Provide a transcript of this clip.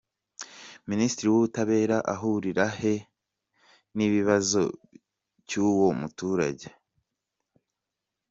Minisitiri w’ubutabera ahurira he n’ikibazo cy’uwo muturage?.